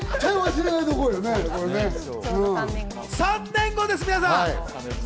３年後です、皆さん。